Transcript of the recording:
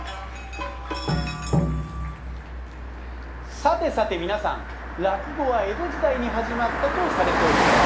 さてさて皆さん落語は江戸時代に始まったとされております。